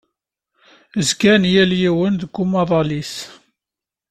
Zgan yal yiwen deg umaḍal-is.